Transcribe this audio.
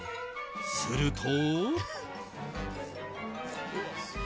すると。